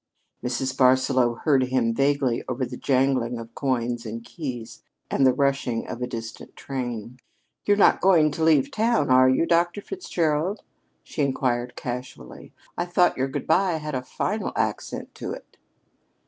Mrs. Barsaloux heard him vaguely above the jangling of coins and keys and the rushing of a distant train. "You're not going to leave town, are you, Dr. Fitzgerald?" she inquired casually. "I thought your good bye had a final accent to it."